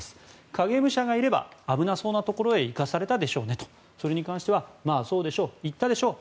影武者がいれば危なそうなところへ行かされたでしょうねとそれに関してはまあ、そうでしょう行ったでしょう